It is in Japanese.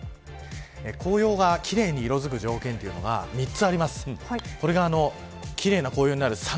紅葉が奇麗に色づく条件というのが３つあります。